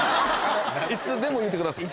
いつでも言ってください。